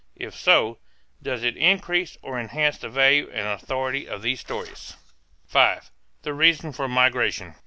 If so, does it decrease or enhance the value and authority of these stories? V. THE REASONS FOB MIGRATION.